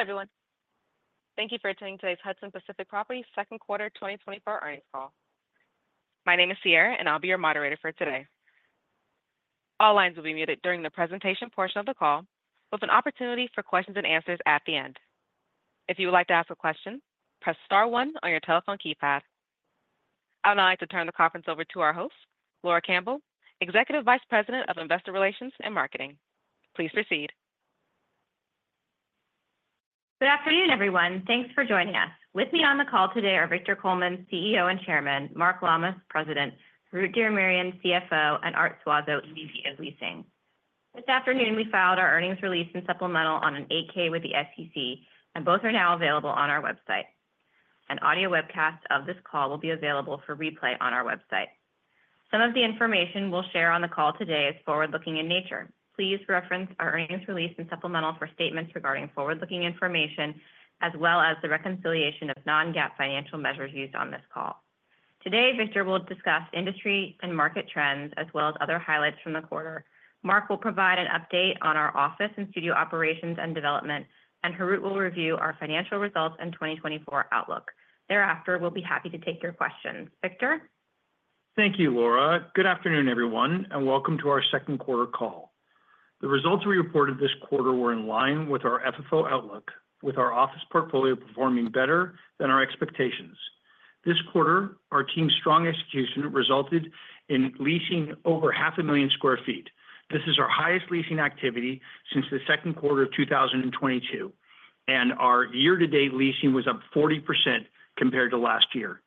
Hi, everyone. Thank you for attending today's Hudson Pacific Properties' second quarter 2024 earnings call. My name is Sierra, and I'll be your moderator for today. All lines will be muted during the presentation portion of the call, with an opportunity for questions and answers at the end. If you would like to ask a question, press star one on your telephone keypad. I would now like to turn the conference over to our host, Laura Campbell, Executive Vice President of Investor Relations and Marketing. Please proceed. Good afternoon, everyone. Thanks for joining us. With me on the call today are Victor Coleman, CEO and Chairman; Mark Lammas, President; Harout Diramerian, CFO; and Art Suazo, EVP of Leasing. This afternoon, we filed our earnings release and supplemental on an 8-K with the SEC, and both are now available on our website. An audio webcast of this call will be available for replay on our website. Some of the information we'll share on the call today is forward-looking in nature. Please reference our earnings release and supplemental for statements regarding forward-looking information, as well as the reconciliation of non-GAAP financial measures used on this call. Today, Victor will discuss industry and market trends, as well as other highlights from the quarter. Mark will provide an update on our office and studio operations and development, and Harout will review our financial results and 2024 outlook. Thereafter, we'll be happy to take your questions. Victor? Thank you, Laura. Good afternoon, everyone, and welcome to our second quarter call. The results we reported this quarter were in line with our FFO outlook, with our office portfolio performing better than our expectations. This quarter, our team's strong execution resulted in leasing over 500,000 sq ft. This is our highest leasing activity since the second quarter of 2022, and our year-to-date leasing was up 40% compared to last year.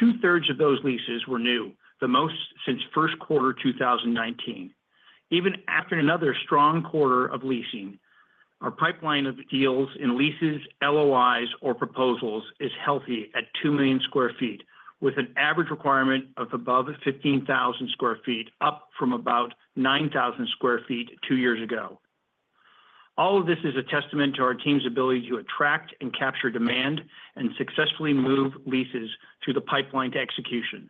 2/3 of those leases were new, the most since first quarter 2019. Even after another strong quarter of leasing, our pipeline of deals in leases, LOIs, or proposals is healthy at 2 million sq ft, with an average requirement of above 15,000 sq ft, up from about 9,000 sq ft two years ago. All of this is a testament to our team's ability to attract and capture demand and successfully move leases through the pipeline to execution.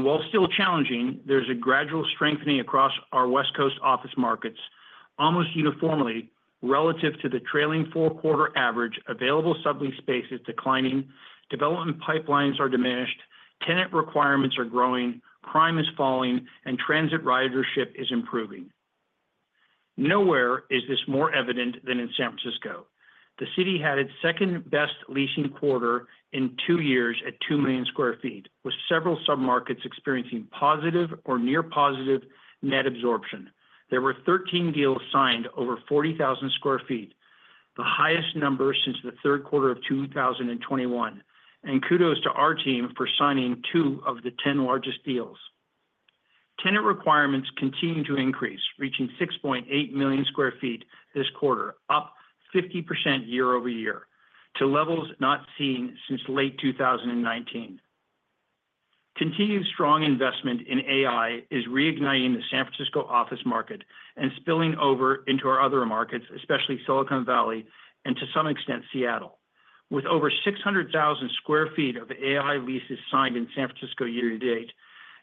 While still challenging, there's a gradual strengthening across our West Coast office markets, almost uniformly relative to the trailing four-quarter average. Available sublease space is declining, development pipelines are diminished, tenant requirements are growing, crime is falling, and transit ridership is improving. Nowhere is this more evident than in San Francisco. The city had its second-best leasing quarter in two years at 2 million sq ft, with several submarkets experiencing positive or near-positive net absorption. There were 13 deals signed over 40,000 sq ft, the highest number since the third quarter of 2021, and kudos to our team for signing two of the 10 largest deals. Tenant requirements continue to increase, reaching 6.8 million sq ft this quarter, up 50% year-over-year, to levels not seen since late 2019. Continued strong investment in AI is reigniting the San Francisco office market and spilling over into our other markets, especially Silicon Valley and, to some extent, Seattle. With over 600,000 sq ft of AI leases signed in San Francisco year-to-date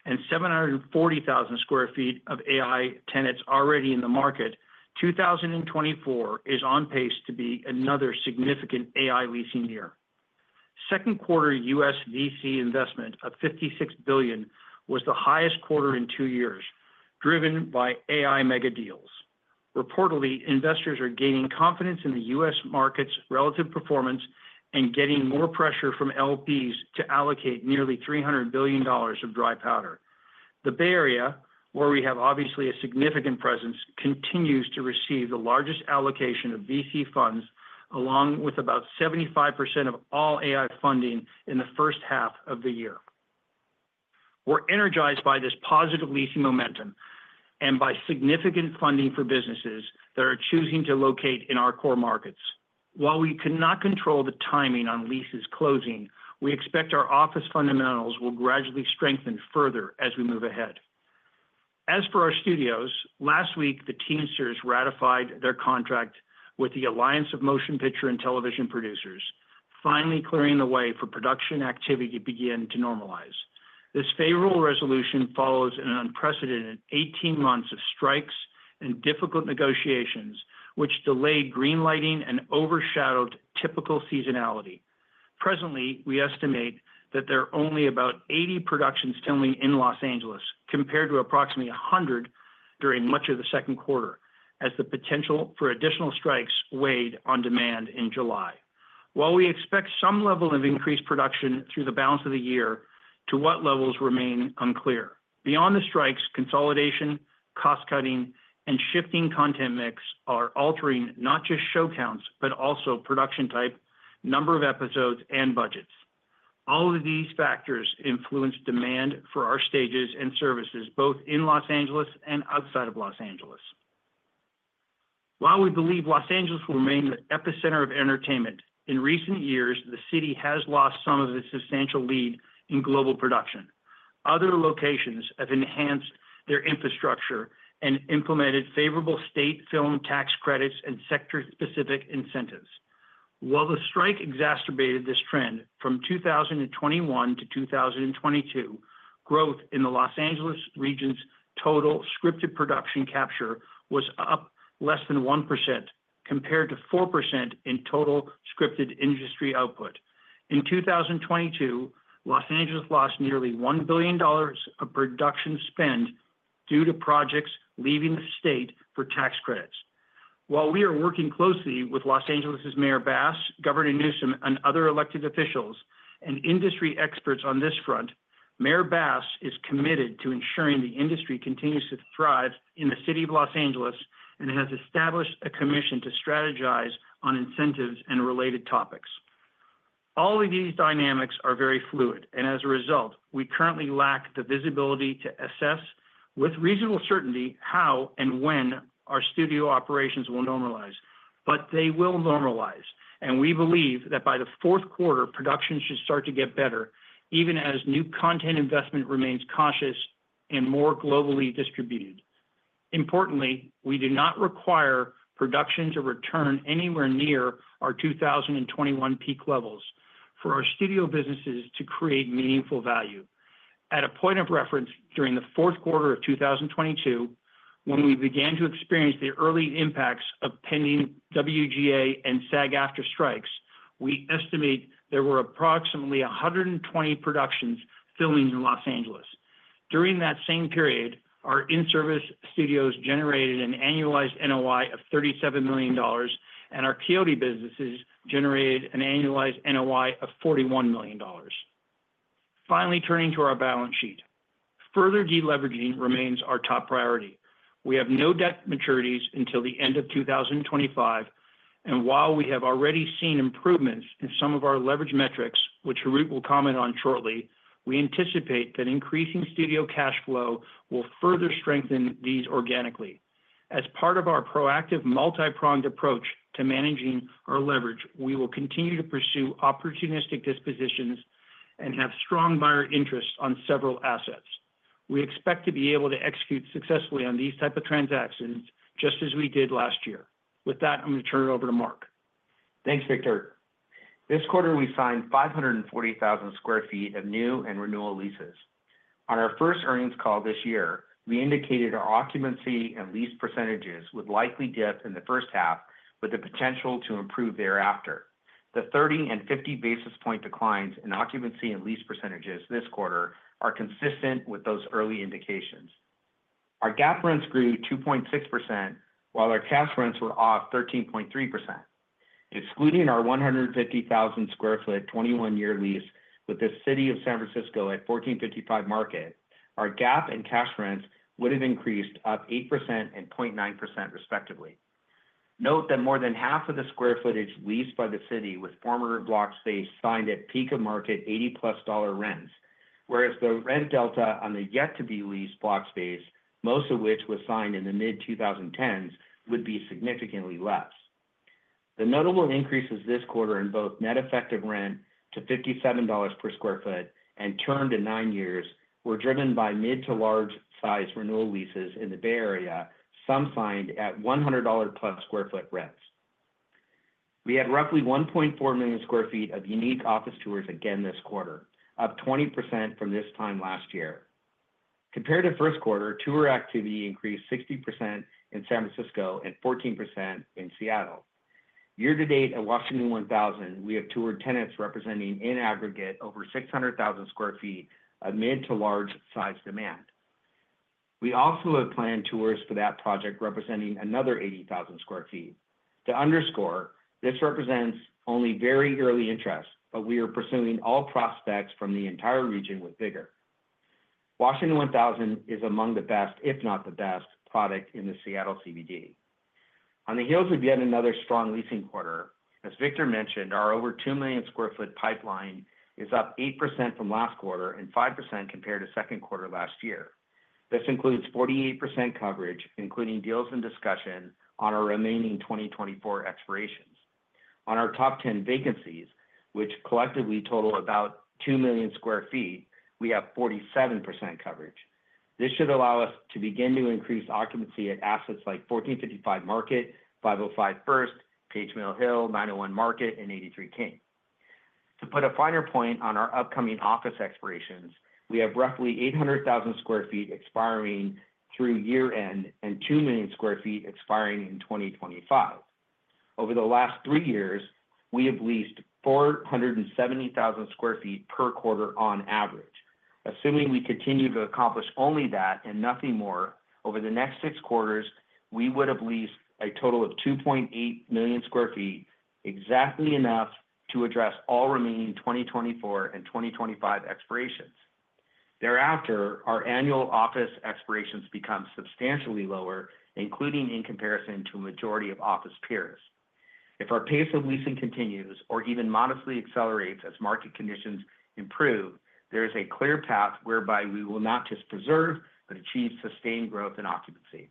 and 740,000 sq ft of AI tenants already in the market, 2024 is on pace to be another significant AI leasing year. Second quarter U.S. VC investment of $56 billion was the highest quarter in two years, driven by AI mega deals. Reportedly, investors are gaining confidence in the U.S. market's relative performance and getting more pressure from LPs to allocate nearly $300 billion of dry powder. The Bay Area, where we have obviously a significant presence, continues to receive the largest allocation of VC funds, along with about 75% of all AI funding in the first half of the year. We're energized by this positive leasing momentum and by significant funding for businesses that are choosing to locate in our core markets. While we cannot control the timing on leases closing, we expect our office fundamentals will gradually strengthen further as we move ahead. As for our studios, last week, the Teamsters ratified their contract with the Alliance of Motion Picture and Television Producers, finally clearing the way for production activity to begin to normalize. This favorable resolution follows an unprecedented 18 months of strikes and difficult negotiations, which delayed greenlighting and overshadowed typical seasonality. Presently, we estimate that there are only about 80 productions filming in Los Angeles, compared to approximately 100 during much of the second quarter, as the potential for additional strikes weighed on demand in July. While we expect some level of increased production through the balance of the year, to what levels remains unclear. Beyond the strikes, consolidation, cost-cutting, and shifting content mix are altering not just show counts, but also production type, number of episodes, and budgets. All of these factors influence demand for our stages and services, both in Los Angeles and outside of Los Angeles. While we believe Los Angeles will remain the epicenter of entertainment, in recent years, the city has lost some of its substantial lead in global production. Other locations have enhanced their infrastructure and implemented favorable state film tax credits and sector-specific incentives. While the strike exacerbated this trend, from 2021 to 2022, growth in the Los Angeles region's total scripted production capture was up less than 1%, compared to 4% in total scripted industry output. In 2022, Los Angeles lost nearly $1 billion of production spend due to projects leaving the state for tax credits. While we are working closely with Los Angeles' Mayor Bass, Governor Newsom, and other elected officials and industry experts on this front, Mayor Bass is committed to ensuring the industry continues to thrive in the city of Los Angeles and has established a commission to strategize on incentives and related topics. All of these dynamics are very fluid, and as a result, we currently lack the visibility to assess with reasonable certainty how and when our studio operations will normalize. But they will normalize, and we believe that by the fourth quarter, production should start to get better, even as new content investment remains cautious and more globally distributed. Importantly, we do not require production to return anywhere near our 2021 peak levels for our studio businesses to create meaningful value. At a point of reference during the fourth quarter of 2022, when we began to experience the early impacts of pending WGA and SAG-AFTRA strikes, we estimate there were approximately 120 productions filming in Los Angeles. During that same period, our in-service studios generated an annualized NOI of $37 million, and our Quixote businesses generated an annualized NOI of $41 million. Finally, turning to our balance sheet, further deleveraging remains our top priority. We have no debt maturities until the end of 2025, and while we have already seen improvements in some of our leverage metrics, which Harout will comment on shortly, we anticipate that increasing studio cash flow will further strengthen these organically. As part of our proactive multi-pronged approach to managing our leverage, we will continue to pursue opportunistic dispositions and have strong buyer interests on several assets. We expect to be able to execute successfully on these types of transactions, just as we did last year. With that, I'm going to turn it over to Mark. Thanks, Victor. This quarter, we signed 540,000 sq ft of new and renewal leases. On our first earnings call this year, we indicated our occupancy and lease percentages would likely dip in the first half, with the potential to improve thereafter. The 30 and 50 basis point declines in occupancy and lease percentages this quarter are consistent with those early indications. Our GAAP rents grew 2.6%, while our cash rents were off 13.3%. Excluding our 150,000 sq ft 21-year lease with the City of San Francisco at 1455 Market, our GAAP and cash rents would have increased up 8% and 0.9%, respectively. Note that more than half of the square footage leased by the city with former Block space signed at peak of market $80+ rents, whereas the rent delta on the yet-to-be-leased Block space, most of which was signed in the mid-2010s, would be significantly less. The notable increases this quarter in both net effective rent to $57 per sq ft and term to nine years were driven by mid-to-large-size renewal leases in the Bay Area, some signed at $100+ sq ft rents. We had roughly 1.4 million sq ft of unique office tours again this quarter, up 20% from this time last year. Compared to first quarter, tour activity increased 60% in San Francisco and 14% in Seattle. Year-to-date at Washington 1000, we have toured tenants representing in aggregate over 600,000 sq ft of mid-to-large-size demand. We also have planned tours for that project representing another 80,000 sq ft. To underscore, this represents only very early interest, but we are pursuing all prospects from the entire region with vigor. Washington 1000 is among the best, if not the best, product in the Seattle CBD. On the heels of yet another strong leasing quarter, as Victor mentioned, our over 2 million sq ft pipeline is up 8% from last quarter and 5% compared to second quarter last year. This includes 48% coverage, including deals in discussion on our remaining 2024 expirations. On our top 10 vacancies, which collectively total about 2 million sq ft, we have 47% coverage. This should allow us to begin to increase occupancy at assets like 1455 Market, 505 First, Page Mill Hill, 901 Market, and 83 King. To put a finer point on our upcoming office expirations, we have roughly 800,000 sq ft expiring through year-end and 2 million sq ft expiring in 2025. Over the last three years, we have leased 470,000 sq ft per quarter on average. Assuming we continue to accomplish only that and nothing more over the next six quarters, we would have leased a total of 2.8 million sq ft, exactly enough to address all remaining 2024 and 2025 expirations. Thereafter, our annual office expirations become substantially lower, including in comparison to a majority of office peers. If our pace of leasing continues or even modestly accelerates as market conditions improve, there is a clear path whereby we will not just preserve but achieve sustained growth in occupancy.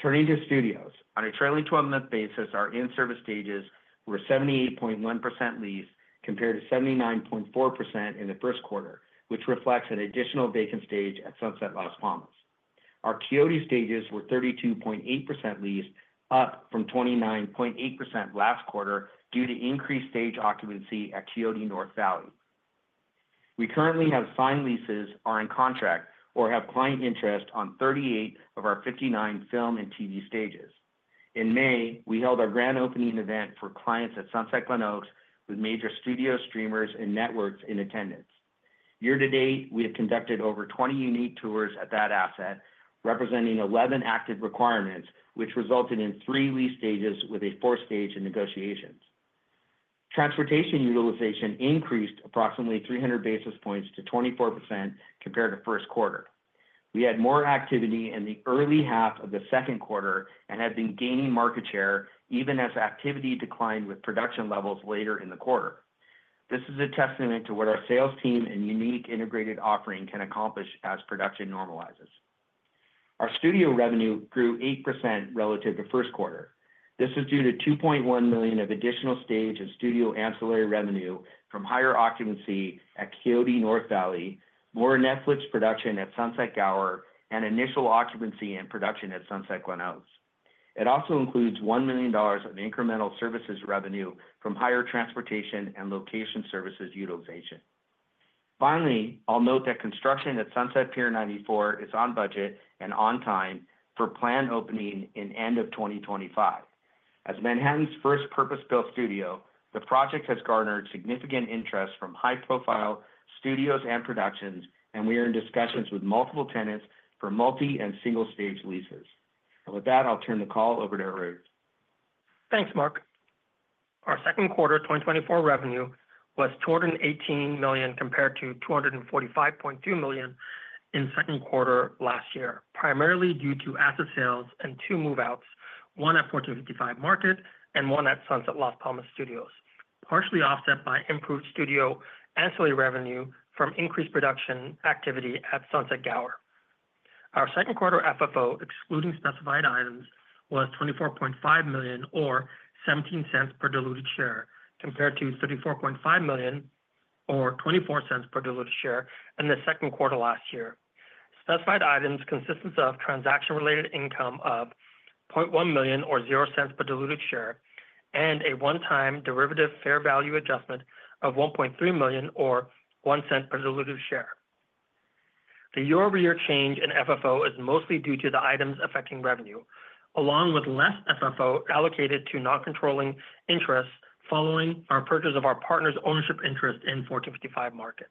Turning to studios, on a trailing 12-month basis, our in-service stages were 78.1% leased compared to 79.4% in the first quarter, which reflects an additional vacant stage at Sunset Las Palmas. Our Quixote stages were 32.8% leased, up from 29.8% last quarter due to increased stage occupancy at Quixote North Valley. We currently have signed leases, are in contract, or have client interest on 38 of our 59 film and TV stages. In May, we held our grand opening event for clients at Sunset Glenoaks, with major studio streamers and networks in attendance. Year-to-date, we have conducted over 20 unique tours at that asset, representing 11 active requirements, which resulted in three lease stages with a fourth stage in negotiations. Transportation utilization increased approximately 300 basis points to 24% compared to first quarter. We had more activity in the early half of the second quarter and have been gaining market share, even as activity declined with production levels later in the quarter. This is a testament to what our sales team and unique integrated offering can accomplish as production normalizes. Our studio revenue grew 8% relative to first quarter. This is due to $2.1 million of additional stage and studio ancillary revenue from higher occupancy at Quixote North Valley, more Netflix production at Sunset Gower, and initial occupancy and production at Sunset Glenoaks. It also includes $1 million of incremental services revenue from higher transportation and location services utilization. Finally, I'll note that construction at Sunset Pier 94 is on budget and on time for planned opening in end of 2025. As Manhattan's first purpose-built studio, the project has garnered significant interest from high-profile studios and productions, and we are in discussions with multiple tenants for multi- and single-stage leases. And with that, I'll turn the call over to Harout. Thanks, Mark. Our second quarter 2024 revenue was $218 million compared to $245.2 million in second quarter last year, primarily due to asset sales and two move-outs, one at 1455 Market and one at Sunset Las Palmas Studios, partially offset by improved studio ancillary revenue from increased production activity at Sunset Gower. Our second quarter FFO, excluding specified items, was $24.5 million or $0.17 per diluted share compared to $34.5 million or $0.24 per diluted share in the second quarter last year. Specified items consist of transaction-related income of $0.1 million or $0.00 per diluted share and a one-time derivative fair value adjustment of $1.3 million or $0.01 per diluted share. The year-over-year change in FFO is mostly due to the items affecting revenue, along with less FFO allocated to non-controlling interest following our purchase of our partner's ownership interest in 1455 Market.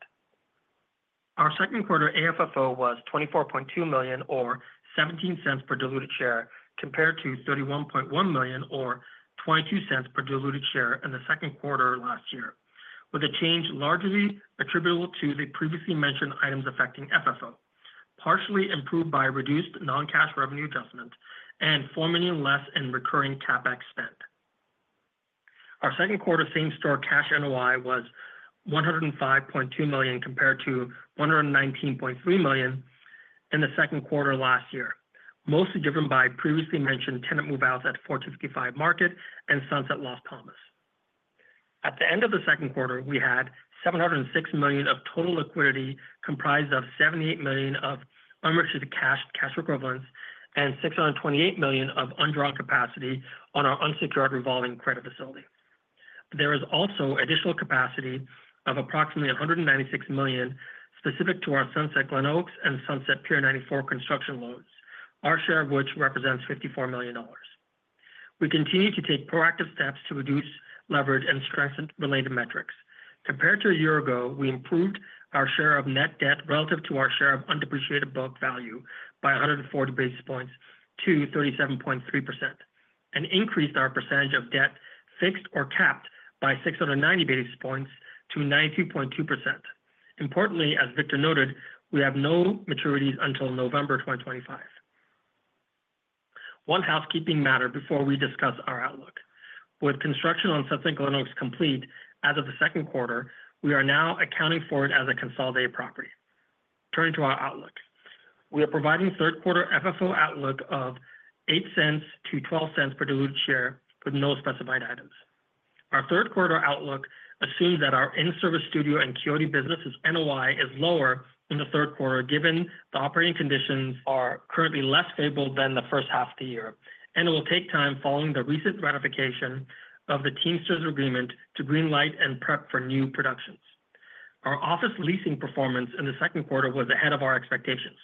Our second quarter AFFO was $24.2 million or $0.17 per diluted share compared to $31.1 million or $0.22 per diluted share in the second quarter last year, with a change largely attributable to the previously mentioned items affecting FFO, partially improved by reduced non-cash revenue adjustment and $4 million less in recurring CapEx spent. Our second quarter same-store cash NOI was $105.2 million compared to $119.3 million in the second quarter last year, mostly driven by previously mentioned tenant move-outs at 1455 Market and Sunset Las Palmas. At the end of the second quarter, we had $706 million of total liquidity comprised of $78 million of unrestricted cash and cash equivalents and $628 million of undrawn capacity on our unsecured revolving credit facility. There is also additional capacity of approximately $196 million specific to our Sunset Glenoaks and Sunset Pier 94 construction loads, our share of which represents $54 million. We continue to take proactive steps to reduce leverage and strengthen related metrics. Compared to a year ago, we improved our share of net debt relative to our share of undepreciated book value by 140 basis points to 37.3% and increased our percentage of debt fixed or capped by 690 basis points to 92.2%. Importantly, as Victor noted, we have no maturities until November 2025. One housekeeping matter before we discuss our outlook. With construction on Sunset Glenoaks complete as of the second quarter, we are now accounting for it as a consolidated property. Turning to our outlook, we are providing third quarter FFO outlook of $0.08-$0.12 per diluted share with no specified items. Our third quarter outlook assumes that our in-service studio and Quixote business's NOI is lower in the third quarter given the operating conditions are currently less favorable than the first half of the year, and it will take time following the recent ratification of the Teamsters Agreement to greenlight and prep for new productions. Our office leasing performance in the second quarter was ahead of our expectations.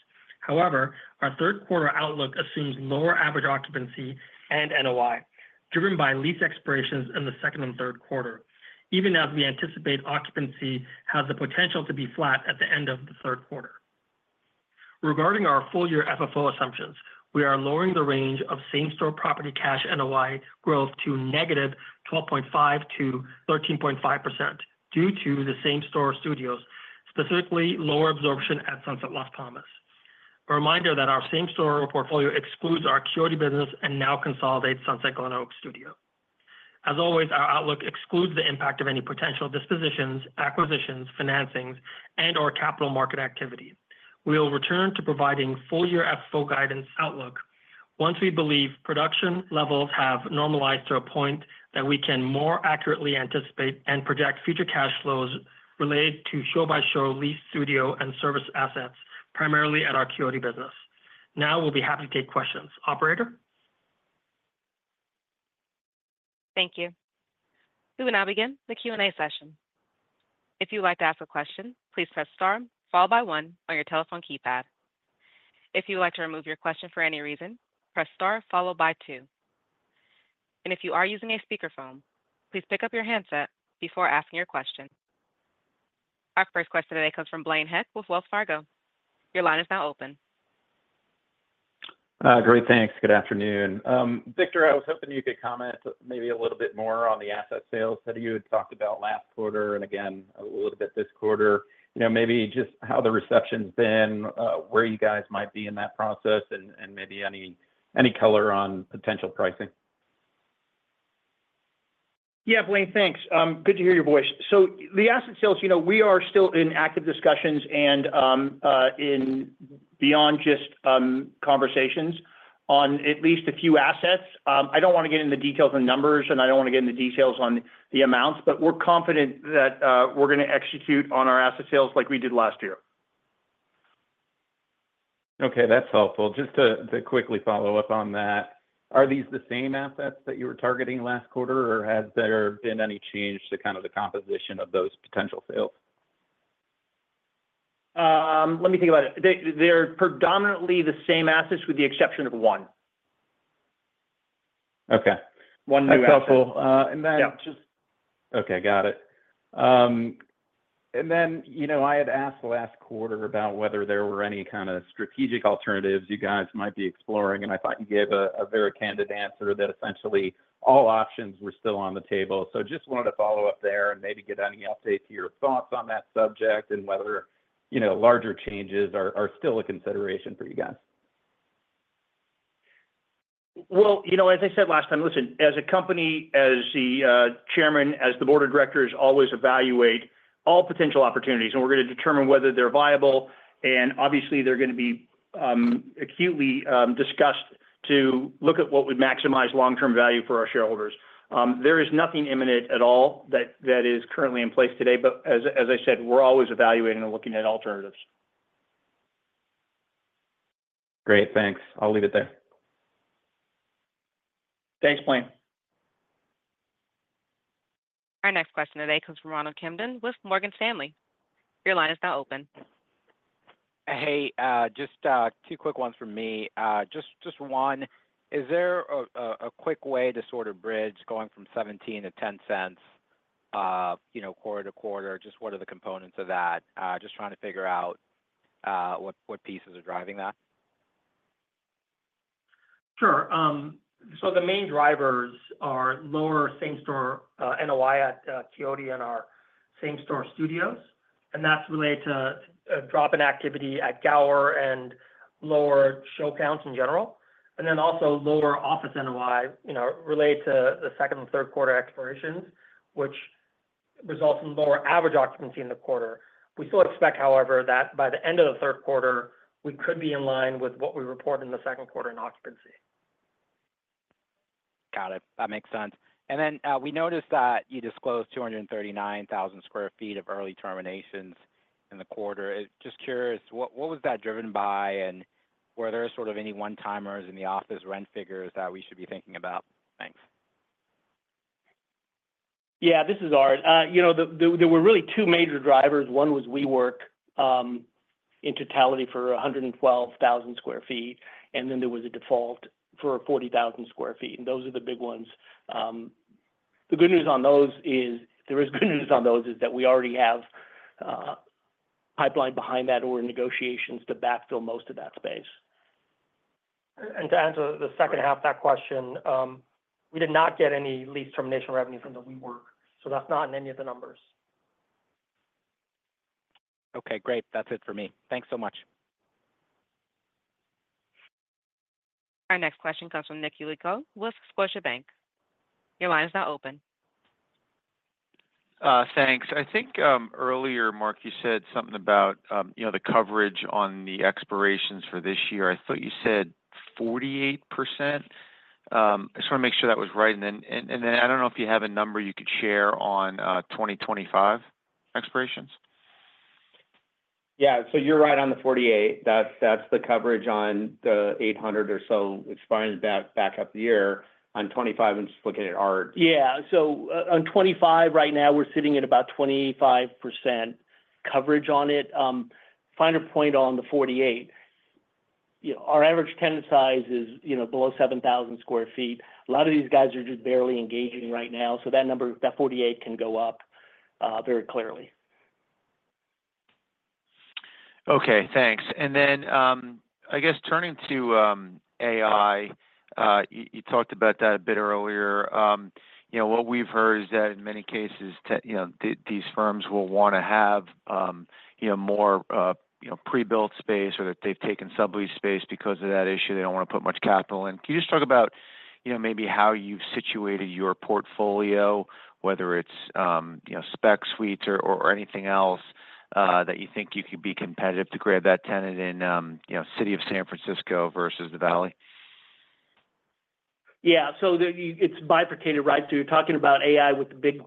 However, our third quarter outlook assumes lower average occupancy and NOI driven by lease expirations in the second and third quarter, even as we anticipate occupancy has the potential to be flat at the end of the third quarter. Regarding our full-year FFO assumptions, we are lowering the range of same-store property cash NOI growth to -12.5% to 13.5% due to the same-store studios, specifically lower absorption at Sunset Las Palmas. A reminder that our same-store portfolio excludes our Quixote business and now consolidates Sunset Glenoaks Studios. As always, our outlook excludes the impact of any potential dispositions, acquisitions, financings, and/or capital market activity. We will return to providing full-year FFO guidance outlook once we believe production levels have normalized to a point that we can more accurately anticipate and project future cash flows related to show-by-show lease studio and service assets, primarily at our Quixote business. Now we'll be happy to take questions. Operator? Thank you. We will now begin the Q&A session. If you would like to ask a question, please press star followed by one on your telephone keypad. If you would like to remove your question for any reason, press star followed by two. If you are using a speakerphone, please pick up your handset before asking your question. Our first question today comes from Blaine Heck with Wells Fargo. Your line is now open. Great. Thanks. Good afternoon. Victor, I was hoping you could comment maybe a little bit more on the asset sales that you had talked about last quarter and again a little bit this quarter. Maybe just how the reception's been, where you guys might be in that process, and maybe any color on potential pricing. Yeah, Blaine, thanks. Good to hear your voice. So the asset sales, we are still in active discussions and beyond just conversations on at least a few assets. I don't want to get into the details and numbers, and I don't want to get into the details on the amounts, but we're confident that we're going to execute on our asset sales like we did last year. Okay. That's helpful. Just to quickly follow up on that, are these the same assets that you were targeting last quarter, or has there been any change to kind of the composition of those potential sales? Let me think about it. They're predominantly the same assets with the exception of one. Okay. One new asset. That's helpful. And then just. Yeah. Okay. Got it. And then I had asked last quarter about whether there were any kind of strategic alternatives you guys might be exploring, and I thought you gave a very candid answer that essentially all options were still on the table. So just wanted to follow up there and maybe get any update to your thoughts on that subject and whether larger changes are still a consideration for you guys? Well, as I said last time, listen, as a company, as the chairman, as the board of directors, always evaluate all potential opportunities, and we're going to determine whether they're viable. Obviously, they're going to be acutely discussed to look at what would maximize long-term value for our shareholders. There is nothing imminent at all that is currently in place today, but as I said, we're always evaluating and looking at alternatives. Great. Thanks. I'll leave it there. Thanks, Blaine. Our next question today comes from Ronald Kamdem with Morgan Stanley. Your line is now open. Hey, just two quick ones from me. Just one, is there a quick way to sort of bridge going from $0.17 to $0.10 quarter to quarter? Just what are the components of that? Just trying to figure out what pieces are driving that. Sure. So the main drivers are lower same-store NOI at Quixote and our same-store studios, and that's related to drop in activity at Gower and lower show counts in general. And then also lower office NOI related to the second and third quarter expirations, which results in lower average occupancy in the quarter. We still expect, however, that by the end of the third quarter, we could be in line with what we report in the second quarter in occupancy. Got it. That makes sense. And then we noticed that you disclosed 239,000 sq ft of early terminations in the quarter. Just curious, what was that driven by, and were there sort of any one-timers in the office rent figures that we should be thinking about? Thanks. Yeah, this is Art. There were really two major drivers. One was WeWork in totality for 112,000 sq ft, and then there was a default for 40,000 sq ft. And those are the big ones. The good news on those is that we already have pipeline behind that or in negotiations to backfill most of that space. To answer the second half of that question, we did not get any lease termination revenue from the WeWork, so that's not in any of the numbers. Okay. Great. That's it for me. Thanks so much. Our next question comes from Nick Yulico with Scotiabank. Your line is now open. Thanks. I think earlier, Mark, you said something about the coverage on the expirations for this year. I thought you said 48%. I just want to make sure that was right. And then I don't know if you have a number you could share on 2025 expirations? Yeah. So you're right on the 48%. That's the coverage on the 800 or so expiring back up the year. On 25%, I'm just looking at Art. Yeah. So on 25% right now, we're sitting at about 25% coverage on it. Finer point on the 48. Our average tenant size is below 7,000 sq ft. A lot of these guys are just barely engaging right now, so that number, that 48, can go up very clearly. Okay. Thanks. And then I guess turning to AI, you talked about that a bit earlier. What we've heard is that in many cases, these firms will want to have more pre-built space or that they've taken sublease space because of that issue. They don't want to put much capital in. Can you just talk about maybe how you've situated your portfolio, whether it's spec suites or anything else that you think you could be competitive to grab that tenant in the city of San Francisco versus the Valley? Yeah. So it's bifurcated, right? So you're talking about AI with the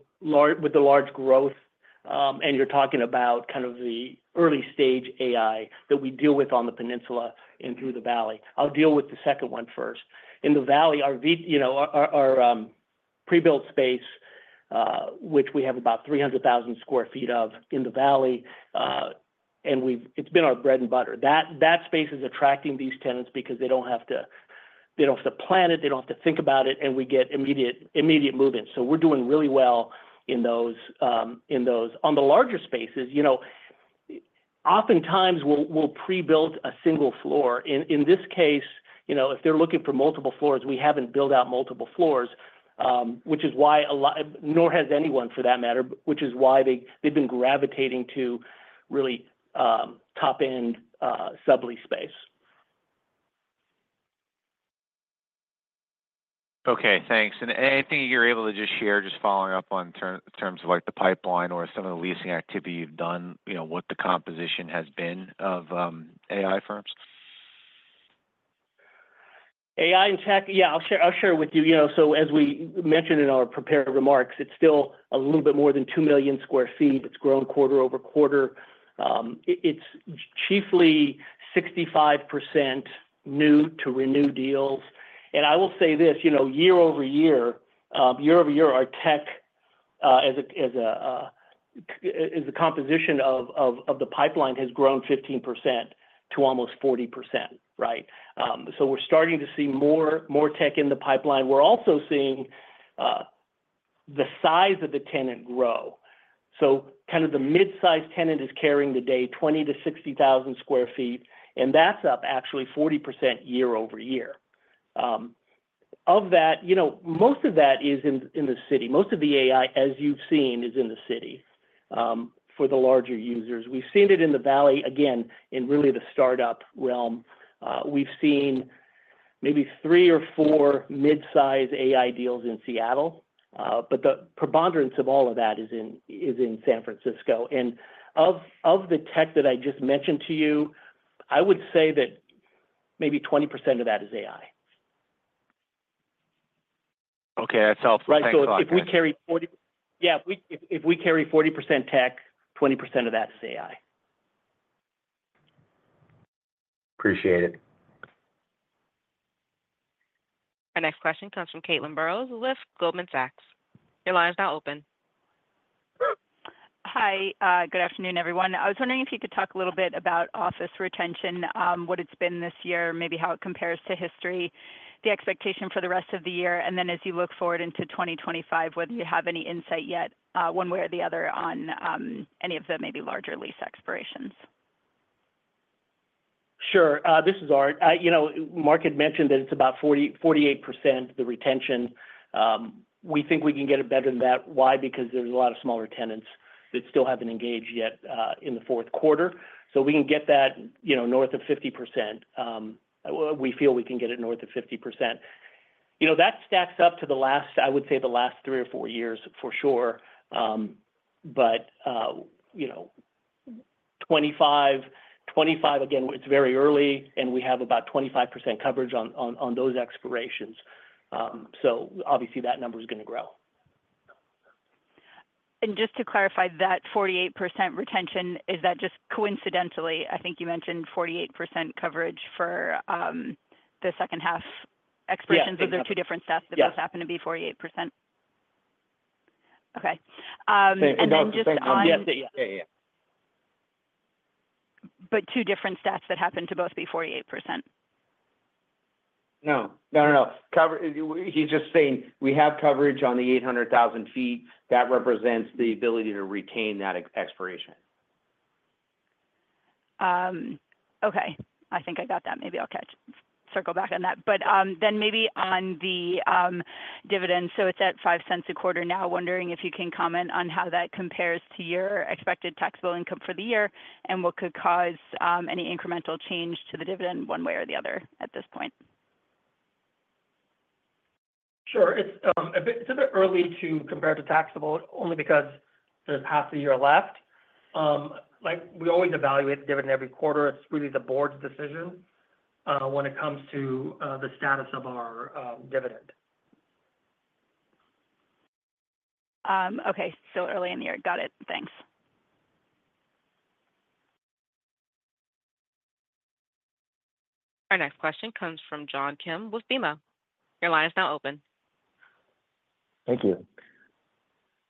large growth, and you're talking about kind of the early-stage AI that we deal with on the peninsula and through the Valley. I'll deal with the second one first. In the Valley, our pre-built space, which we have about 300,000 sq ft of in the Valley, and it's been our bread and butter. That space is attracting these tenants because they don't have to plan it. They don't have to think about it, and we get immediate movement. So we're doing really well in those. On the larger spaces, oftentimes, we'll pre-build a single floor. In this case, if they're looking for multiple floors, we haven't built out multiple floors, which is why a lot nor has anyone, for that matter, which is why they've been gravitating to really top-end sublease space. Okay. Thanks. Anything you're able to just share, just following up on in terms of the pipeline or some of the leasing activity you've done, what the composition has been of AI firms? AI and tech, yeah, I'll share with you. So as we mentioned in our prepared remarks, it's still a little bit more than 2 million sq ft. It's grown quarter-over-quarter. It's chiefly 65% new-to-renew deals. And I will say this, year-over-year, year-over-year, our tech as a composition of the pipeline has grown 15% to almost 40%, right? So we're starting to see more tech in the pipeline. We're also seeing the size of the tenant grow. So kind of the mid-sized tenant is carrying the day, 20,000 sq ft-60,000 sq ft, and that's up actually 40% year-over-year. Of that, most of that is in the city. Most of the AI, as you've seen, is in the city for the larger users. We've seen it in the Valley. Again, in really the startup realm, we've seen maybe three or four mid-sized AI deals in Seattle, but the preponderance of all of that is in San Francisco. And of the tech that I just mentioned to you, I would say that maybe 20% of that is AI. Okay. That's helpful. Thanks a lot. Right. So if we carry 40%, yeah, if we carry 40% tech, 20% of that is AI. Appreciate it. Our next question comes from Caitlin Burrows with Goldman Sachs. Your line is now open. Hi. Good afternoon, everyone. I was wondering if you could talk a little bit about office retention, what it's been this year, maybe how it compares to history, the expectation for the rest of the year, and then as you look forward into 2025, whether you have any insight yet one way or the other on any of the maybe larger lease expirations? Sure. This is Art. Mark had mentioned that it's about 48% the retention. We think we can get it better than that. Why? Because there's a lot of smaller tenants that still haven't engaged yet in the fourth quarter. So we can get that north of 50%. We feel we can get it north of 50%. That stacks up to the last, I would say, the last three or four years for sure, but 2025, again, it's very early, and we have about 25% coverage on those expirations. So obviously, that number is going to grow. Just to clarify that 48% retention, is that just coincidentally? I think you mentioned 48% coverage for the second half expirations. Yes. Those are two different stats that both happen to be 48%. Okay. And then just on. Same thing on the other, yeah. Yeah, yeah, yeah. But two different stats that happen to both be 48%. No. No, no, no. He's just saying we have coverage on the 800,000 feet. That represents the ability to retain that expiration. Okay. I think I got that. Maybe I'll circle back on that. But then maybe on the dividends, so it's at $0.05 a quarter now. Wondering if you can comment on how that compares to your expected taxable income for the year and what could cause any incremental change to the dividend one way or the other at this point. Sure. It's a bit early to compare to taxable only because there's half a year left. We always evaluate the dividend every quarter. It's really the board's decision when it comes to the status of our dividend. Okay. So early in the year. Got it. Thanks. Our next question comes from John Kim with BMO. Your line is now open. Thank you.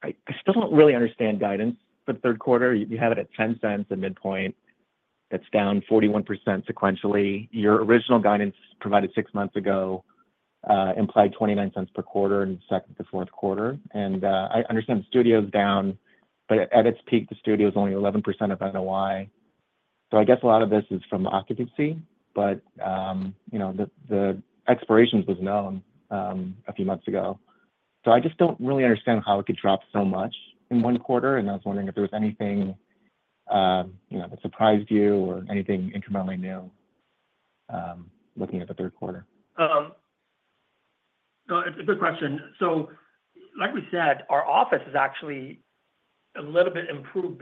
I still don't really understand guidance for the third quarter. You have it at $0.10 at midpoint. It's down 41% sequentially. Your original guidance provided six months ago implied $0.29 per quarter in the second to fourth quarter. And I understand the studio is down, but at its peak, the studio is only 11% of NOI. So I guess a lot of this is from occupancy, but the expirations was known a few months ago. So I just don't really understand how it could drop so much in one quarter, and I was wondering if there was anything that surprised you or anything incrementally new looking at the third quarter. Good question. So like we said, our office is actually a little bit improved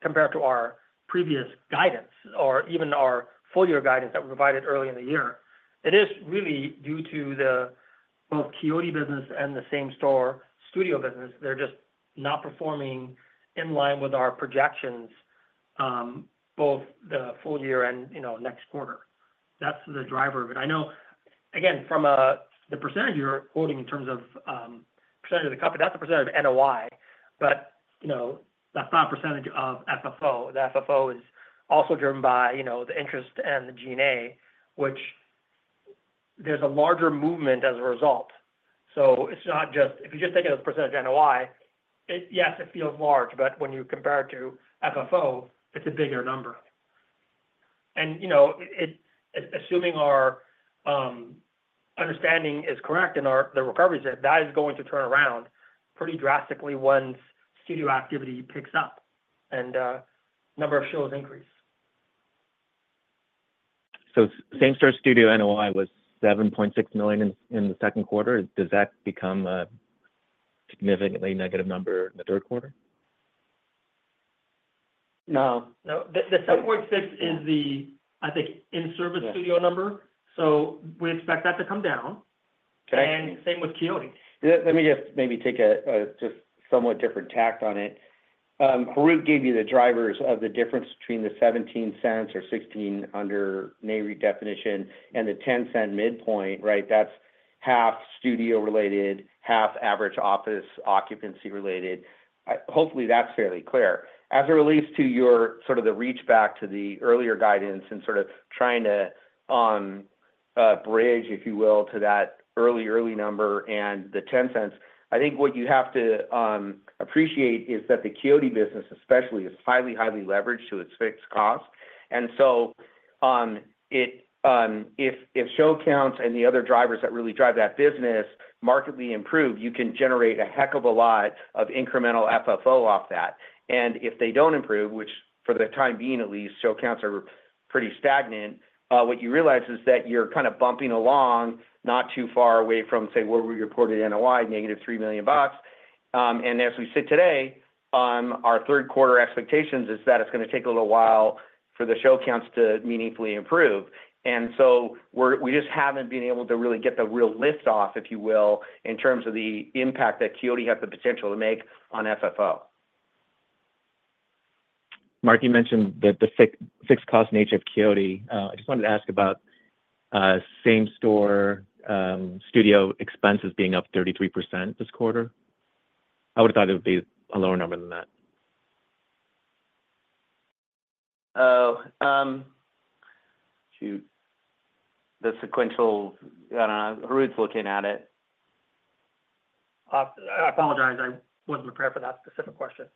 compared to our previous guidance or even our full-year guidance that we provided early in the year. It is really due to both Quixote business and the same-store studio business. They're just not performing in line with our projections, both the full year and next quarter. That's the driver of it. I know, again, from the percentage you're quoting in terms of percentage of the company, that's the percentage of NOI, but that's not a percentage of FFO. The FFO is also driven by the interest and the G&A, which there's a larger movement as a result. So it's not just if you just take it as a percentage of NOI, yes, it feels large, but when you compare it to FFO, it's a bigger number. Assuming our understanding is correct and the recovery is that that is going to turn around pretty drastically once studio activity picks up and the number of shows increase. So same-store studio NOI was $7.6 million in the second quarter. Does that become a significantly negative number in the third quarter? No. No. The 7.6 is the, I think, in-service studio number. So we expect that to come down. And same with Quixote. Let me just maybe take a just somewhat different tack on it. Harout gave you the drivers of the difference between the $0.17 or $0.16 under Nareit definition and the $0.10 midpoint, right? That's half studio-related, half average office occupancy-related. Hopefully, that's fairly clear. As it relates to your sort of the reach back to the earlier guidance and sort of trying to bridge, if you will, to that early, early number and the $0.10, I think what you have to appreciate is that the Quixote business, especially, is highly, highly leveraged to its fixed cost. And so if show counts and the other drivers that really drive that business markedly improve, you can generate a heck of a lot of incremental FFO off that. If they don't improve, which for the time being, at least, show counts are pretty stagnant, what you realize is that you're kind of bumping along not too far away from, say, where we reported NOI, -$3 million. As we sit today, our third-quarter expectations is that it's going to take a little while for the show counts to meaningfully improve. So we just haven't been able to really get the real lift off, if you will, in terms of the impact that Quixote has the potential to make on FFO. Mark, you mentioned that the fixed cost nature of Quixote. I just wanted to ask about same-store studio expenses being up 33% this quarter. I would have thought it would be a lower number than that. Oh, shoot. The sequential, I don't know. Harout's looking at it. I apologize. I wasn't prepared for that specific question.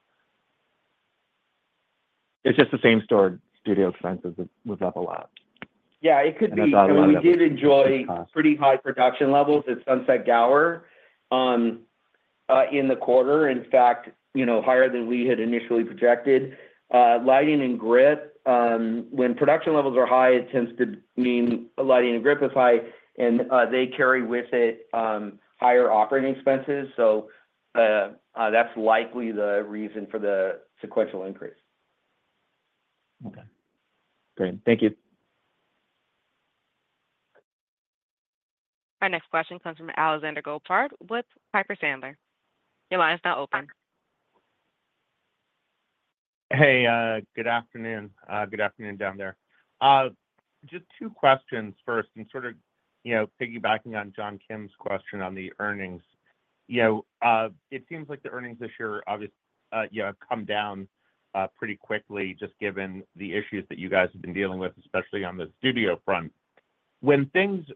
It's just the same-store studio expenses was up a lot. Yeah. It could be because we did enjoy pretty high production levels at Sunset Gower in the quarter, in fact, higher than we had initially projected. Lighting and grip, when production levels are high, it tends to mean lighting and grip is high, and they carry with it higher operating expenses. So that's likely the reason for the sequential increase. Okay. Great. Thank you. Our next question comes from Alexander Goldfarb with Piper Sandler. Your line is now open. Hey. Good afternoon. Good afternoon down there. Just two questions first. Sort of piggybacking on John Kim's question on the earnings, it seems like the earnings this year have come down pretty quickly just given the issues that you guys have been dealing with, especially on the studio front. When things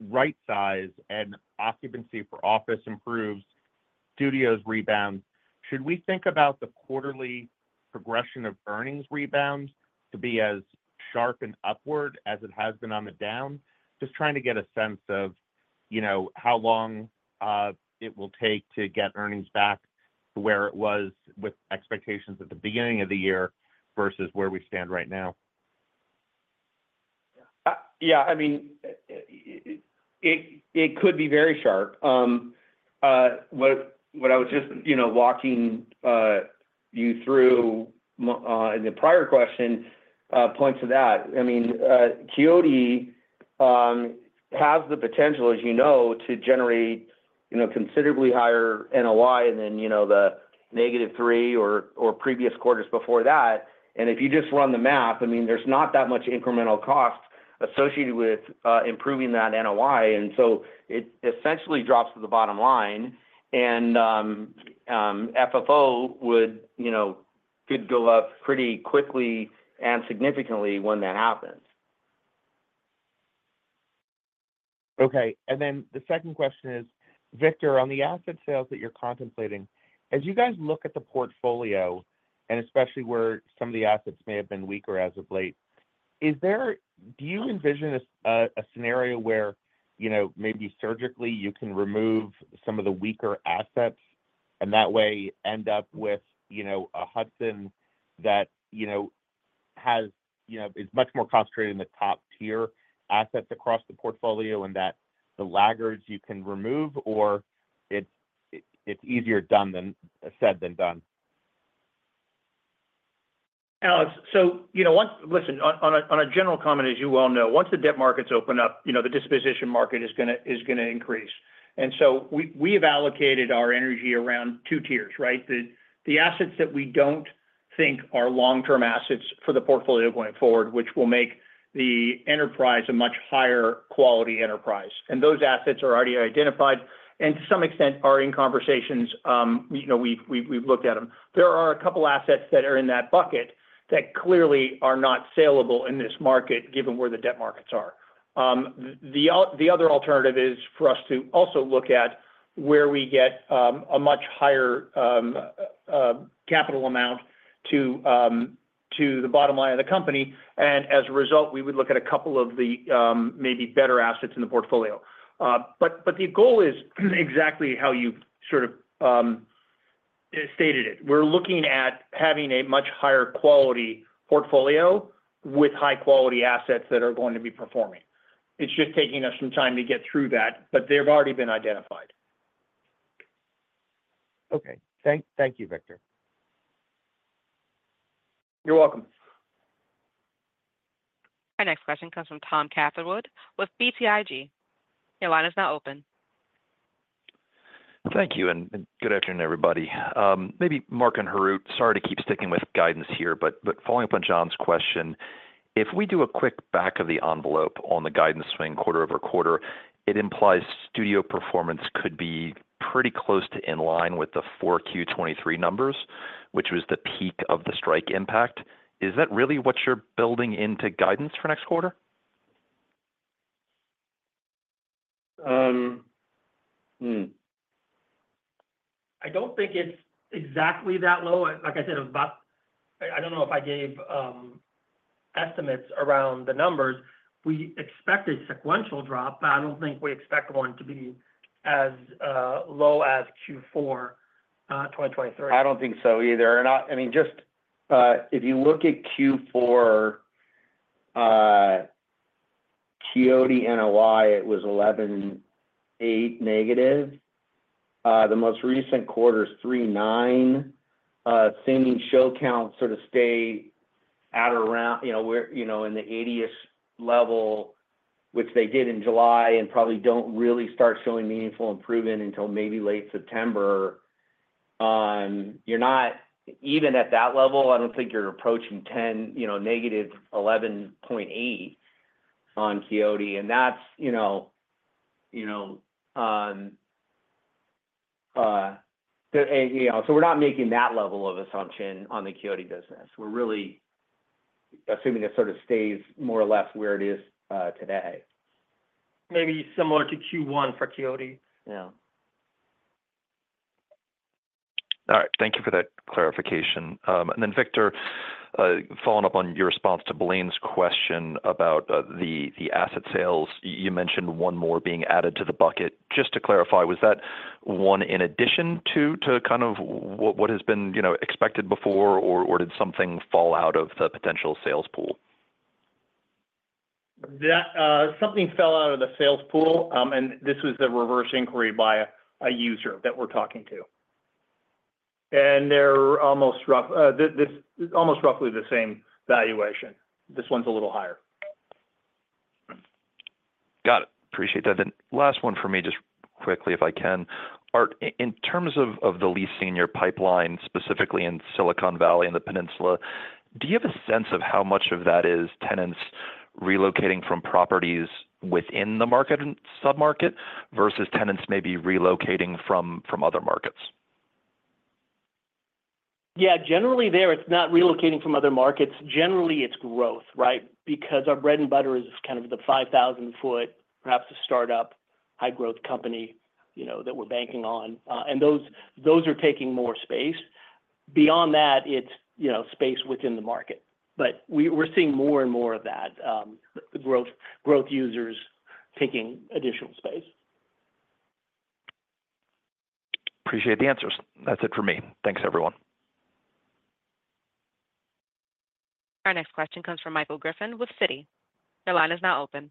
right-size and occupancy for office improves, studios rebound, should we think about the quarterly progression of earnings rebounds to be as sharp and upward as it has been on the down? Just trying to get a sense of how long it will take to get earnings back to where it was with expectations at the beginning of the year versus where we stand right now. Yeah. I mean, it could be very sharp. What I was just walking you through in the prior question points to that. I mean, Quixote has the potential, as you know, to generate considerably higher NOI than the -3 or previous quarters before that. And if you just run the math, I mean, there's not that much incremental cost associated with improving that NOI. And so it essentially drops to the bottom line. And FFO could go up pretty quickly and significantly when that happens. Okay. And then the second question is, Victor, on the asset sales that you're contemplating, as you guys look at the portfolio, and especially where some of the assets may have been weaker as of late, do you envision a scenario where maybe surgically you can remove some of the weaker assets and that way end up with a Hudson that is much more concentrated in the top-tier assets across the portfolio and that the laggards you can remove, or it's easier said than done? Alex, so listen, on a general comment, as you well know, once the debt markets open up, the disposition market is going to increase. And so we have allocated our energy around two tiers, right? The assets that we don't think are long-term assets for the portfolio going forward, which will make the enterprise a much higher quality enterprise. And those assets are already identified. And to some extent, in our conversations, we've looked at them. There are a couple of assets that are in that bucket that clearly are not salable in this market given where the debt markets are. The other alternative is for us to also look at where we get a much higher capital amount to the bottom line of the company. And as a result, we would look at a couple of the maybe better assets in the portfolio. But the goal is exactly how you sort of stated it. We're looking at having a much higher quality portfolio with high-quality assets that are going to be performing. It's just taking us some time to get through that, but they've already been identified. Okay. Thank you, Victor. You're welcome. Our next question comes from Tom Catherwood with BTIG. Your line is now open. Thank you. Good afternoon, everybody. Maybe Mark and Harout, sorry to keep sticking with guidance here, but following up on John's question, if we do a quick back of the envelope on the guidance swing quarter-over-quarter, it implies studio performance could be pretty close to in line with the 4Q23 numbers, which was the peak of the strike impact. Is that really what you're building into guidance for next quarter? I don't think it's exactly that low. Like I said, I don't know if I gave estimates around the numbers. We expected a sequential drop, but I don't think we expect one to be as low as Q4 2023. I don't think so either. I mean, just if you look at Q4, Quixote North Valley NOI, it was -$11.8 million. The most recent quarter is $3.9 million. Seeming show counts sort of stay at around in the 80-ish level, which they did in July and probably don't really start showing meaningful improvement until maybe late September. Even at that level, I don't think you're approaching $10 million, -$11.8 million on Quixote North Valley. We're not making that level of assumption on the Quixote North Valley business. We're really assuming it sort of stays more or less where it is today. Maybe similar to Q1 for Quixote. Yeah. All right. Thank you for that clarification. And then, Victor, following up on your response to Blaine's question about the asset sales, you mentioned one more being added to the bucket. Just to clarify, was that one in addition to kind of what has been expected before, or did something fall out of the potential sales pool? Something fell out of the sales pool, and this was the reverse inquiry by a user that we're talking to. And they're almost roughly the same valuation. This one's a little higher. Got it. Appreciate that. Last one for me, just quickly if I can. In terms of the leasing pipeline, specifically in Silicon Valley and the peninsula, do you have a sense of how much of that is tenants relocating from properties within the market and sub-market versus tenants maybe relocating from other markets? Yeah. Generally there, it's not relocating from other markets. Generally, it's growth, right? Because our bread and butter is kind of the 5,000-foot, perhaps a startup, high-growth company that we're banking on. And those are taking more space. Beyond that, it's space within the market. But we're seeing more and more of that, growth users taking additional space. Appreciate the answers. That's it for me. Thanks, everyone. Our next question comes from Michael Griffin with Citi. Your line is now open.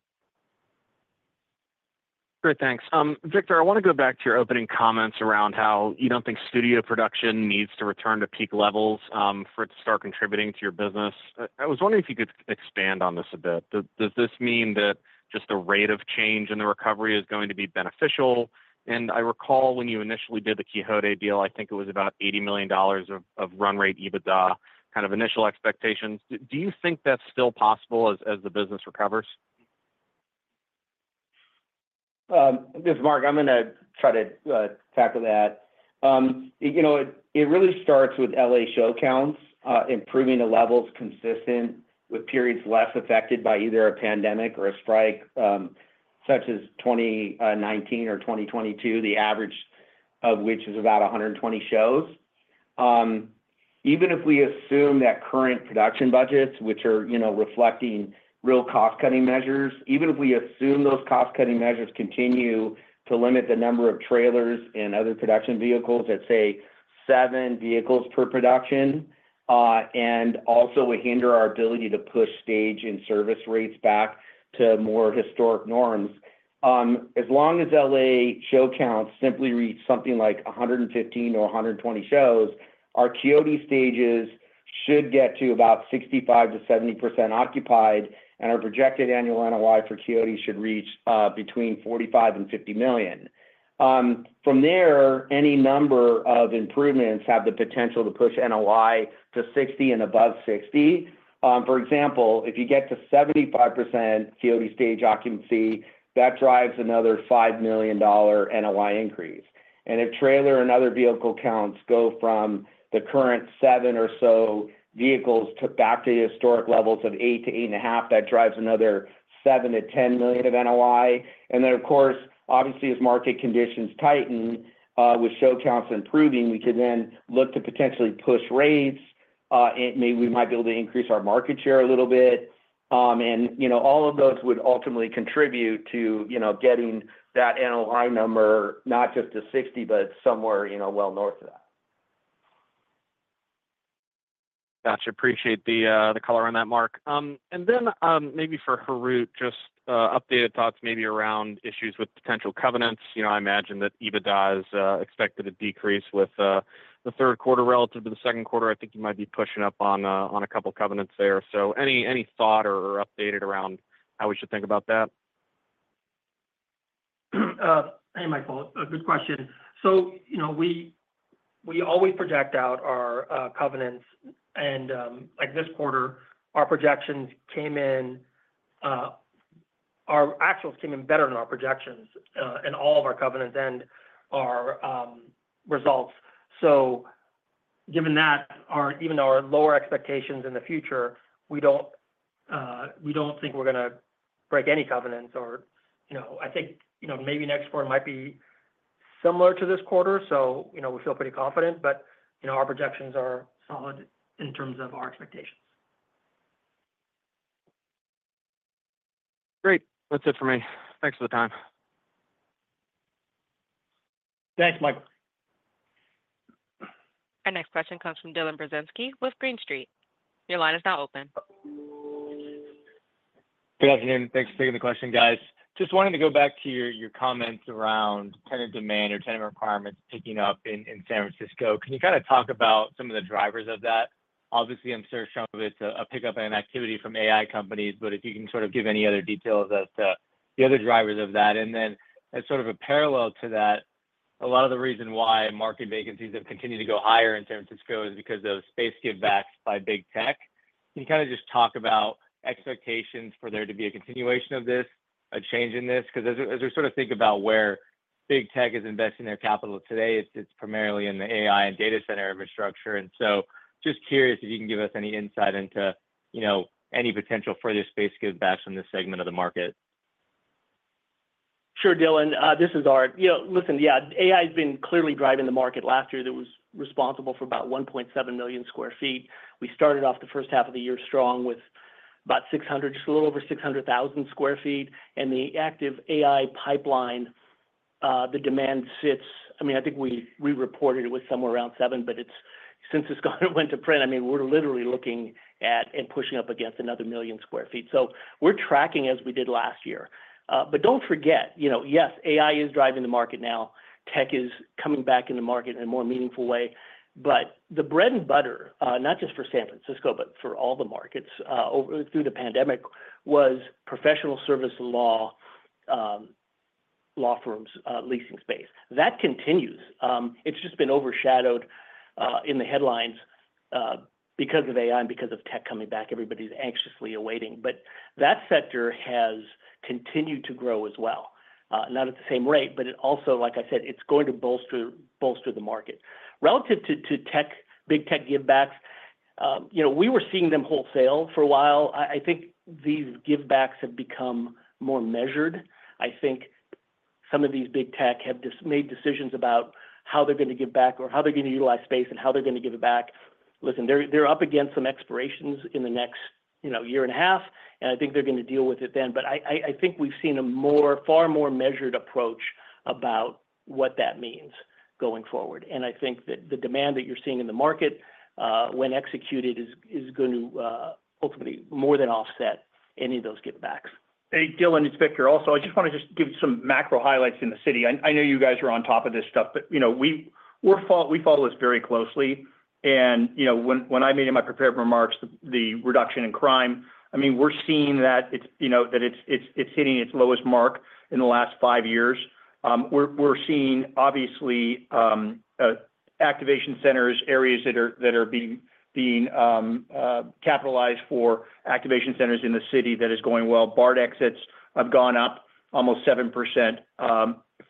Great. Thanks. Victor, I want to go back to your opening comments around how you don't think studio production needs to return to peak levels for it to start contributing to your business. I was wondering if you could expand on this a bit. Does this mean that just the rate of change and the recovery is going to be beneficial? And I recall when you initially did the Quixote deal, I think it was about $80 million of run rate EBITDA kind of initial expectations. Do you think that's still possible as the business recovers? This is Mark. I'm going to try to tackle that. It really starts with L.A. show counts improving the levels consistent with periods less affected by either a pandemic or a strike such as 2019 or 2022, the average of which is about 120 shows. Even if we assume that current production budgets, which are reflecting real cost-cutting measures, even if we assume those cost-cutting measures continue to limit the number of trailers and other production vehicles at, say, seven vehicles per production, and also would hinder our ability to push stage and service rates back to more historic norms, as long as L.A. show counts simply reach something like 115 or 120 shows, our Quixote stages should get to about 65%-70% occupied, and our projected annual NOI for Quixote should reach between $45 million and $50 million. From there, any number of improvements have the potential to push NOI to $60 million and above $60 million. For example, if you get to 75% Quixote stage occupancy, that drives another $5 million NOI increase. And if trailer and other vehicle counts go from the current 7 or so vehicles back to historic levels of 8-8.5, that drives another $7 million-$10 million of NOI. And then, of course, obviously, as market conditions tighten with show counts improving, we could then look to potentially push rates. We might be able to increase our market share a little bit. And all of those would ultimately contribute to getting that NOI number not just to $60 million, but somewhere well north of that. Gotcha. Appreciate the color on that, Mark. And then maybe for Harout, just updated thoughts maybe around issues with potential covenants. I imagine that EBITDA is expected to decrease with the third quarter relative to the second quarter. I think you might be pushing up on a couple of covenants there. So any thought or updated around how we should think about that? Hey, Michael. Good question. So we always project out our covenants. And this quarter, our actuals came in better than our projections in all of our covenants and our results. So given that, even our lower expectations in the future, we don't think we're going to break any covenants. I think maybe next quarter might be similar to this quarter, so we feel pretty confident, but our projections are solid in terms of our expectations. Great. That's it for me. Thanks for the time. Thanks, Michael. Our next question comes from Dylan Burzinski with Green Street. Your line is now open. Good afternoon. Thanks for taking the question, guys. Just wanted to go back to your comments around tenant demand or tenant requirements picking up in San Francisco. Can you kind of talk about some of the drivers of that? Obviously, I'm sure some of it's a pickup in activity from AI companies, but if you can sort of give any other details as to the other drivers of that. And then as sort of a parallel to that, a lot of the reason why market vacancies have continued to go higher in San Francisco is because of space give-backs by big tech. Can you kind of just talk about expectations for there to be a continuation of this, a change in this? Because as we sort of think about where big tech is investing their capital today, it's primarily in the AI and data center infrastructure. Just curious if you can give us any insight into any potential further space give-backs in this segment of the market? Sure, Dylan. This is Art. Listen, yeah, AI has been clearly driving the market last year. It was responsible for about 1.7 million sq ft. We started off the first half of the year strong with about 600, just a little over 600,000 sq ft. And the active AI pipeline, the demand sits, I mean, I think we reported it was somewhere around seven, but since it went to print, I mean, we're literally looking at and pushing up against another million sq ft. So we're tracking as we did last year. But don't forget, yes, AI is driving the market now. Tech is coming back in the market in a more meaningful way. But the bread and butter, not just for San Francisco, but for all the markets through the pandemic, was professional service law law firms leasing space. That continues. It's just been overshadowed in the headlines because of AI and because of tech coming back. Everybody's anxiously awaiting. But that sector has continued to grow as well. Not at the same rate, but also, like I said, it's going to bolster the market. Relative to big tech give-backs, we were seeing them wholesale for a while. I think these give-backs have become more measured. I think some of these big tech have made decisions about how they're going to give back or how they're going to utilize space and how they're going to give it back. Listen, they're up against some expirations in the next year and a half, and I think they're going to deal with it then. But I think we've seen a far more measured approach about what that means going forward. I think that the demand that you're seeing in the market, when executed, is going to ultimately more than offset any of those give-backs. Hey, Dylan, it's Victor. Also, I just want to just give you some macro highlights in the city. I know you guys are on top of this stuff, but we follow this very closely. And when I made my prepared remarks, the reduction in crime, I mean, we're seeing that it's hitting its lowest mark in the last five years. We're seeing, obviously, activation centers, areas that are being capitalized for activation centers in the city that is going well. BART exits have gone up almost 7%.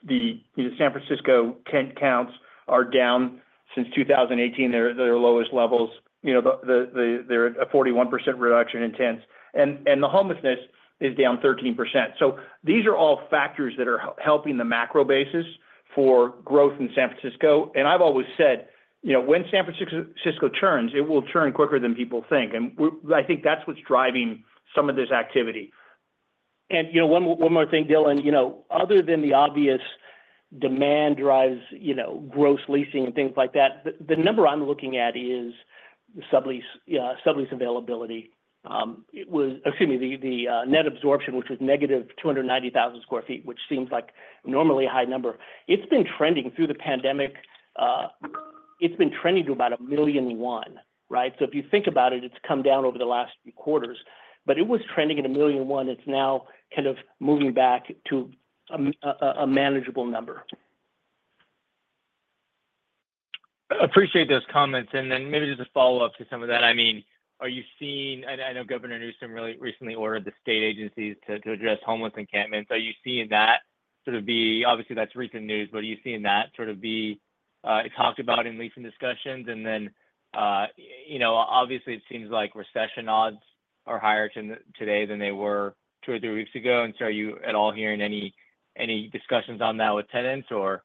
The San Francisco tent counts are down since 2018. They're at their lowest levels. They're at a 41% reduction in tents. And the homelessness is down 13%. So these are all factors that are helping the macro basis for growth in San Francisco. And I've always said, when San Francisco turns, it will turn quicker than people think. And I think that's what's driving some of this activity. And one more thing, Dylan, other than the obvious demand drives gross leasing and things like that, the number I'm looking at is the sublease availability. Excuse me, the net absorption, which was -290,000 sq ft, which seems like normally a high number. It's been trending through the pandemic. It's been trending to about 1.1 million right? So if you think about it, it's come down over the last few quarters. But it was trending at 1.1 million. It's now kind of moving back to a manageable number. Appreciate those comments. And then maybe just a follow-up to some of that. I mean, are you seeing, I know Governor Newsom really recently ordered the state agencies to address homeless encampments. Are you seeing that sort of be, obviously, that's recent news, but are you seeing that sort of be talked about in leasing discussions? And then, obviously, it seems like recession odds are higher today than they were two or three weeks ago. And so are you at all hearing any discussions on that with tenants, or?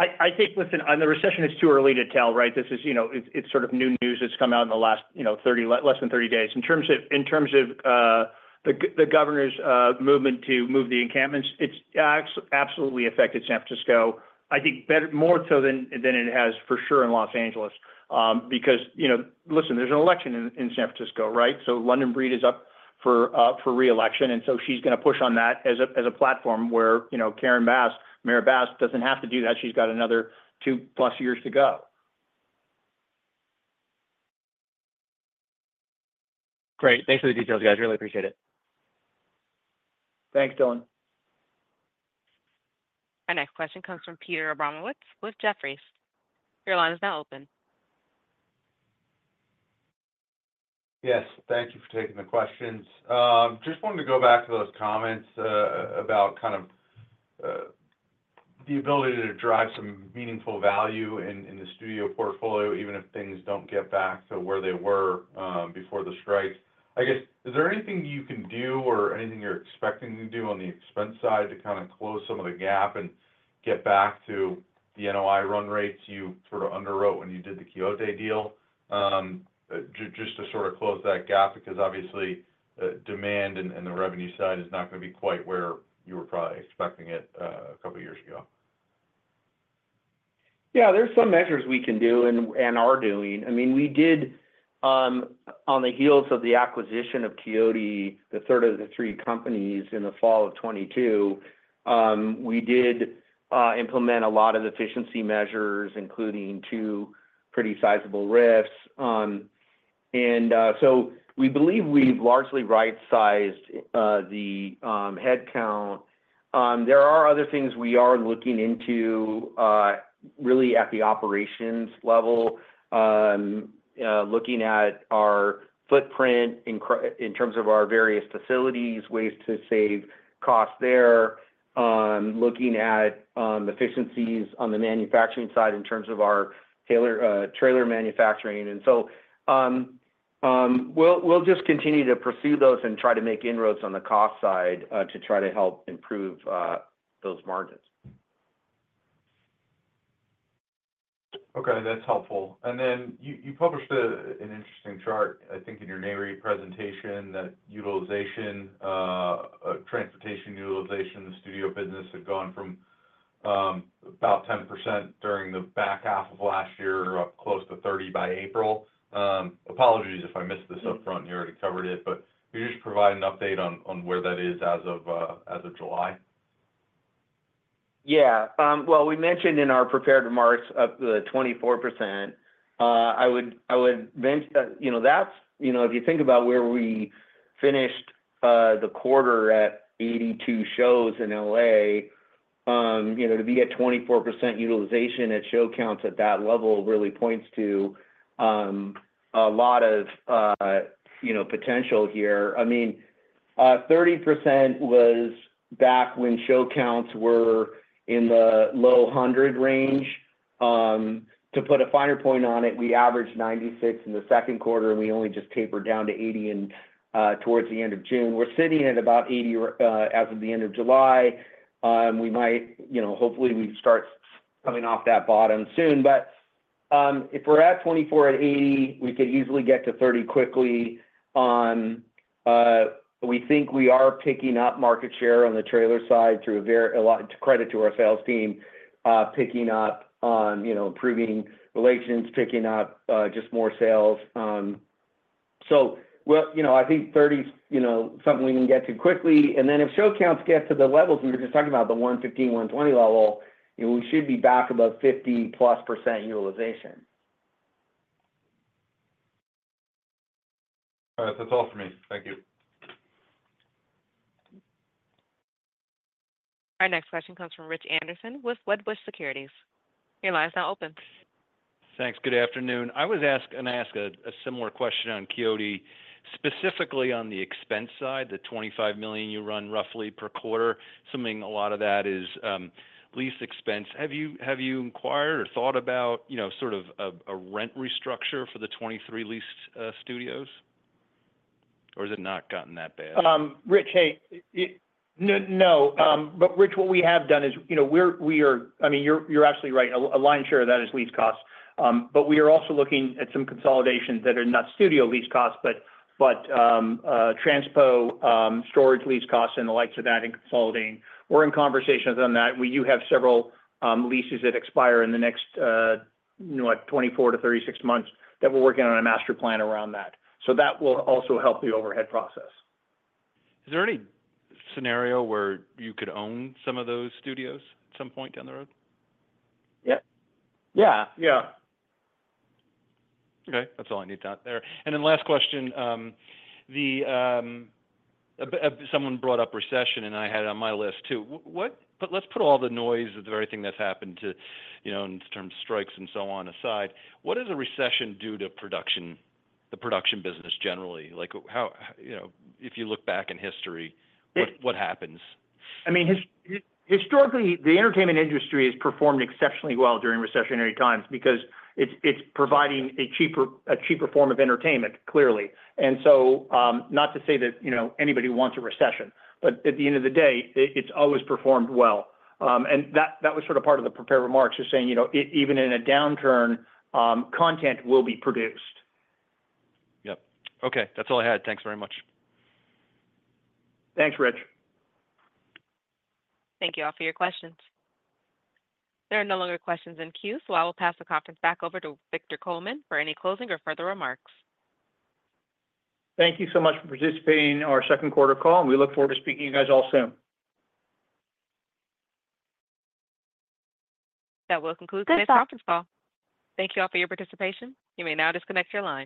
I think, listen, on the recession, it's too early to tell, right? This is sort of new news that's come out in the last less than 30 days. In terms of the governor's movement to move the encampments, it's absolutely affected San Francisco, I think, more so than it has for sure in Los Angeles. Because, listen, there's an election in San Francisco, right? So London Breed is up for re-election. And so she's going to push on that as a platform where Mayor Bass doesn't have to do that. She's got another 2+ years to go. Great. Thanks for the details, guys. Really appreciate it. Thanks, Dylan. Our next question comes from Peter Abramowitz with Jefferies. Your line is now open. Yes. Thank you for taking the questions. Just wanted to go back to those comments about kind of the ability to drive some meaningful value in the studio portfolio, even if things don't get back to where they were before the strikes. I guess, is there anything you can do or anything you're expecting to do on the expense side to kind of close some of the gap and get back to the NOI run rates you sort of underwrote when you did the Quixote deal, just to sort of close that gap? Because, obviously, demand and the revenue side is not going to be quite where you were probably expecting it a couple of years ago. Yeah. There's some measures we can do and are doing. I mean, we did, on the heels of the acquisition of Quixote, the third of the three companies in the fall of 2022, we did implement a lot of efficiency measures, including two pretty sizable RIFs. So we believe we've largely right-sized the headcount. There are other things we are looking into really at the operations level, looking at our footprint in terms of our various facilities, ways to save costs there, looking at efficiencies on the manufacturing side in terms of our trailer manufacturing. So we'll just continue to pursue those and try to make inroads on the cost side to try to help improve those margins. Okay. That's helpful. And then you published an interesting chart, I think, in your Nareit presentation that transportation utilization in the studio business had gone from about 10% during the back half of last year up close to 30 by April. Apologies if I missed this upfront. You already covered it. But could you just provide an update on where that is as of July? Yeah. Well, we mentioned in our prepared remarks of the 24%. I would venture that if you think about where we finished the quarter at 82 shows in L.A., to be at 24% utilization at show counts at that level really points to a lot of potential here. I mean, 30% was back when show counts were in the low 100 range. To put a finer point on it, we averaged 96 in the second quarter, and we only just tapered down to 80 towards the end of June. We're sitting at about 80 as of the end of July. We might hopefully start coming off that bottom soon. But if we're at 24% at 80, we could easily get to 30% quickly. We think we are picking up market share on the trailer side to credit to our sales team, picking up on improving relations, picking up just more sales. So I think 30% is something we can get to quickly. And then if show counts get to the levels we were just talking about, the 115, 120 level, we should be back above 50%+ utilization. All right. That's all for me. Thank you. Our next question comes from Rich Anderson with Wedbush Securities. Your line is now open. Thanks. Good afternoon. I was going to ask a similar question on Quixote, specifically on the expense side, the $25 million you run roughly per quarter, assuming a lot of that is lease expense. Have you inquired or thought about sort of a rent restructure for the 23 leased studios? Or has it not gotten that bad? Rich, hey. No. But, Rich, what we have done is we are—I mean, you're absolutely right. A lion's share of that is lease costs. But we are also looking at some consolidations that are not studio lease costs, but transpo storage lease costs and the likes of that and consolidating. We're in conversations on that. We do have several leases that expire in the next, what, 24-36 months that we're working on a master plan around that. So that will also help the overhead process. Is there any scenario where you could own some of those studios at some point down the road? Yeah. Yeah. Yeah. Okay. That's all I need out there. And then last question. Someone brought up recession, and I had it on my list too. Let's put all the noise of everything that's happened in terms of strikes and so on aside. What does a recession do to the production business generally? If you look back in history, what happens? I mean, historically, the entertainment industry has performed exceptionally well during recessionary times because it's providing a cheaper form of entertainment, clearly. And so not to say that anybody wants a recession. But at the end of the day, it's always performed well. And that was sort of part of the prepared remarks, just saying even in a downturn, content will be produced. Yep. Okay. That's all I had. Thanks very much. Thanks, Rich. Thank you all for your questions. There are no longer questions in queue, so I will pass the conference back over to Victor Coleman for any closing or further remarks. Thank you so much for participating in our second quarter call. We look forward to speaking to you guys all soon. That will conclude today's conference call. Thank you all for your participation. You may now disconnect your line.